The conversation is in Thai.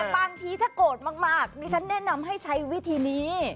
บางทีถ้าโกรธมากดิฉันแนะนำให้ใช้วิธีนี้